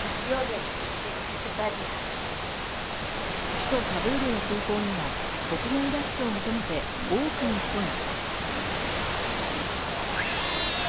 首都カブールの空港には国外脱出を求めて多くの人が。